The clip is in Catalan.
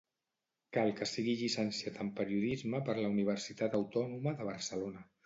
Cal que sigui llicenciat en Periodisme per la Universitat Autònoma de Barcelona.